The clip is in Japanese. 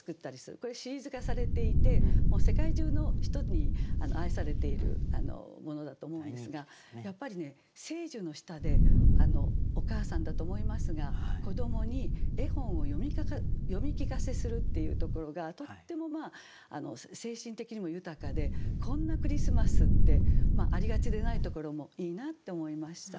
これシリーズ化されていてもう世界中の人に愛されているものだと思うんですがやっぱりね聖樹の下でお母さんだと思いますが子どもに絵本を読み聞かせするっていうところがとっても精神的にも豊かでこんなクリスマスってありがちでないところもいいなって思いました。